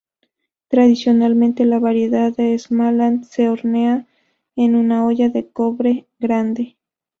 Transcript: Tradicionalmente la variedad de Småland se hornea en una olla de cobre grande.